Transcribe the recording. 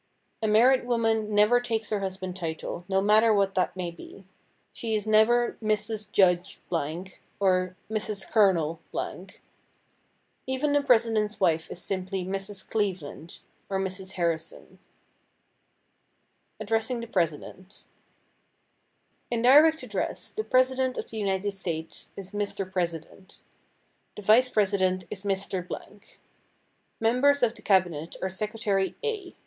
A married woman never takes her husband's title, no matter what that may be. She is never "Mrs. Judge ——" or "Mrs. Colonel ——." Even the president's wife is simply "Mrs. Cleveland" or "Mrs. Harrison." [Sidenote: ADDRESSING THE PRESIDENT] In direct address, the president of the United States is "Mr. President." The vice president is "Mr. ——." Members of the cabinet are "Secretary A."